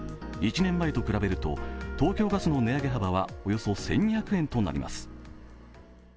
１年前と比べると、東京ガスの値上げ幅はおよそ１２００円となります。